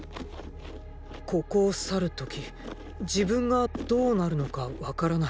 ここを去る時自分がどうなるのかわからない。